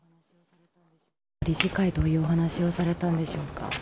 理事会でどういうお話をされたんでしょうか。